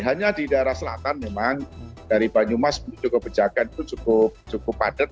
hanya di daerah selatan memang dari banyumas itu cukup berjagaan itu cukup padat